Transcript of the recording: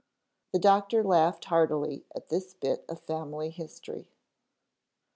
The doctor laughed heartily at this bit of family history.